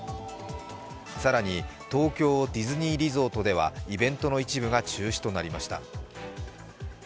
更に、東京ディズニーリゾートではイベントの一部が中止となりました。